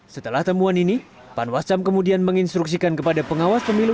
setelah temuan ini panwascam kemudian menginstruksikan kepada pengawas pemilu